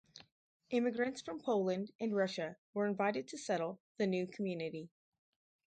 Immigrants from Poland and Russia were invited to settle the new community.